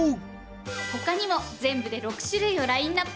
他にも全部で６種類をラインアップ！